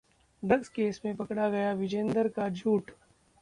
drugs case में पकड़ा गया विजेंदर का झूठ